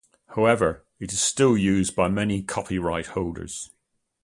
However, it is still used by many copyright holders.